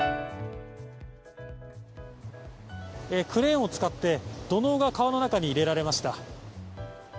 クレーンを使って土のうが川の中に入れられました。